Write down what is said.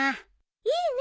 いいね。